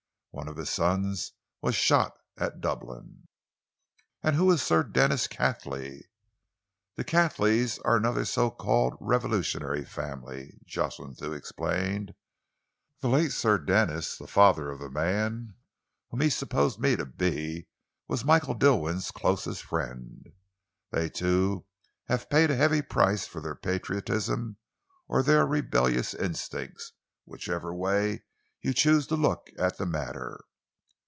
One of his sons was shot at Dublin." "And who is Sir Denis Cathley?" "The Cathleys are another so called revolutionary family," Jocelyn Thew explained. "The late Sir Denis, the father of the man whom he supposed me to be, was Michael Dilwyn's closest friend. They, too, have paid a heavy price for their patriotism or their rebellious instincts, whichever way you choose to look at the matter."